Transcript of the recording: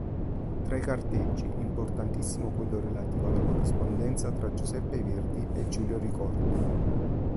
Tra i carteggi importantissimo quello relativo alla corrispondenza tra Giuseppe Verdi e Giulio Ricordi.